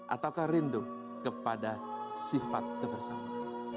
ataukah rindu kepada sifat kebersamaan